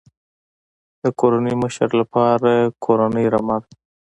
د کورنۍ مشر لپاره کورنۍ رمه ده.